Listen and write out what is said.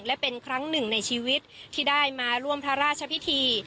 และเป็นครั้งหนึ่งในชีวิตที่ได้มาร่วมพระราชพิธี